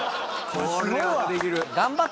これはできる・